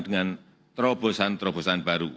dengan terobosan terobosan baru